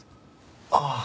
ああ。